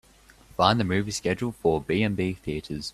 Find the movie schedule for B&B Theatres.